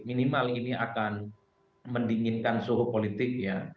minimal ini akan mendinginkan suhu politik ya